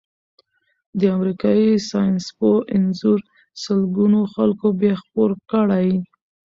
د امریکايي ساینسپوه انځور سلګونو خلکو بیا خپور کړی.